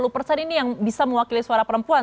lima puluh persen ini yang bisa mewakili suara perempuan